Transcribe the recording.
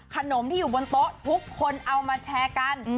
ขนมที่อยู่บนโต๊ะทุกคนเอามาแชร์กัน